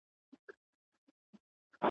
د نېزو پر سر، سرونه ,